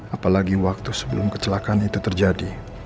apalagi waktu sebelum kecelakaan itu terjadi